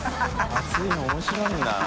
熱いの面白いんだな。